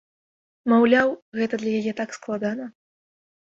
Маўляў, гэта для яе так складана.